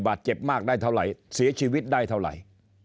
บาดเจ็บมากได้เท่าไหร่เสียชีวิตได้เท่าไหร่